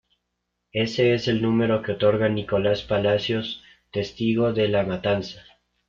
Ese es el número que otorga Nicolás Palacios, testigo de la matanza.